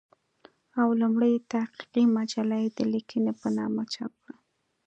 او لومړۍ تحقيقي مجله يې د "ليکنې" په نامه چاپ کړه